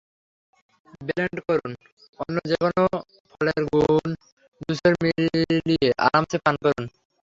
Blend করুন, অন্য যেকোনো ফলের ঘুন জুসের মিলিয়ে আরামসে পান করুন।